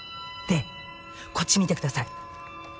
でこっち見てください。